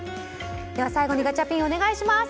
最後にガチャピンお願いします。